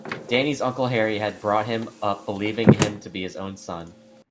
Danny's Uncle Harry had brought him up believing him to be his own son.